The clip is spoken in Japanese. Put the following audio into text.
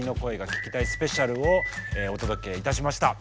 スペシャルをお届けいたしました。